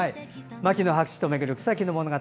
「牧野博士とめぐる草木の物語」